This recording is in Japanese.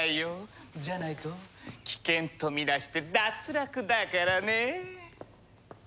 じゃないと棄権とみなして脱落だからね。